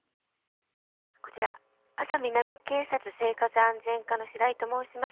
こちら安佐南警察生活安全課のシライと申します。